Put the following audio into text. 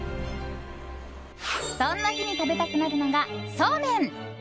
そんな日に食べたくなるのがそうめん。